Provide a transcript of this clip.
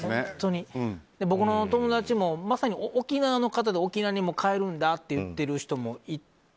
僕のお友達も、まさに沖縄の方で沖縄に帰るんだと言っている人もいて。